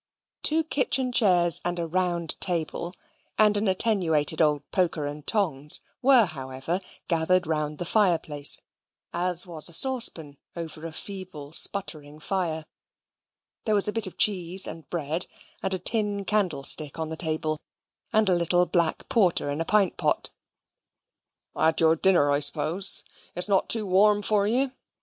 Two kitchen chairs, and a round table, and an attenuated old poker and tongs were, however, gathered round the fire place, as was a saucepan over a feeble sputtering fire. There was a bit of cheese and bread, and a tin candlestick on the table, and a little black porter in a pint pot. "Had your dinner, I suppose? It is not too warm for you?